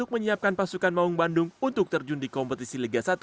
menyiapkan pasukan maung bandung untuk terjun di kompetisi liga satu